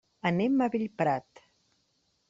Anem a Bellprat.